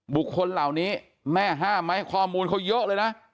บุคคลเหล่านี้แม่ห้ามไหมข้อมูลเขาเยอะเลยนะ